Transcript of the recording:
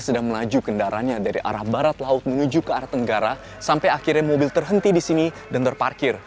sedang melaju kendaranya dari arah barat laut menuju ke arah tenggara sampai akhirnya mobil terhenti di sini dan terparkir